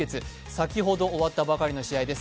先ほど終わったばかりの試合です。